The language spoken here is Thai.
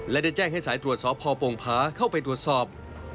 และได้แจ้งให้สายตรวจสอบพอโป่งผาเข้าไปตรวจสอบ